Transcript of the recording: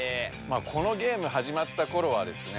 このゲームはじまったころはですね